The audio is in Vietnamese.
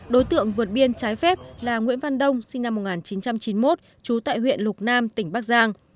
đối tượng vượt biên trái phép là nguyễn văn đông sinh năm một nghìn chín trăm chín mươi một trú tại huyện lục nam tỉnh bắc giang